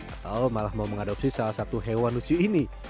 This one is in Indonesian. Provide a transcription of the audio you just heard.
atau malah mau mengadopsi salah satu hewan lucu ini